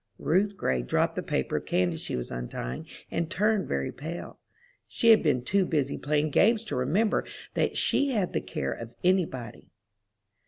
Ruth Gray dropped the paper of candy she was untying, and turned very pale. She had been too busy playing games to remember that she had the care of any body.